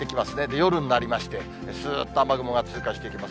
夜になりまして、すーっと雨雲が通過していきます。